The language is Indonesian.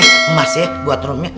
ini emas ya buat rung